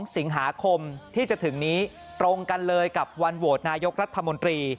๒สิงหาคมที่จะถึงนี้ตรงกันเลยกับวันโหวตนายกรัฐมนตรี